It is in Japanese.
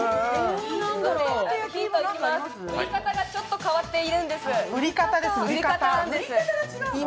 売り方がちょっと違っているんです。